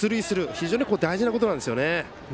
非常に大事なことなんですよね。